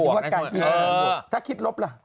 หมายจริงว่าใกล้